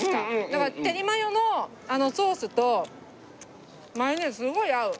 だからテリマヨのソースとマヨネーズすごい合う。